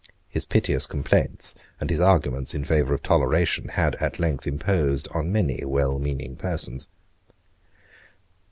His piteous complaints and his arguments in favour of toleration had at length imposed on many well meaning persons.